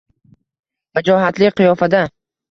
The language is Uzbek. Vajohatli qiyofada